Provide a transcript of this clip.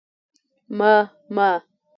_ما، ما